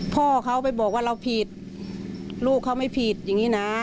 พ่อเขาไปบอกว่าเราผิดลูกเขาไม่ผิดอย่างนี้นะ